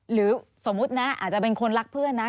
หรือสมมุตินะอาจจะเป็นคนรักเพื่อนนะ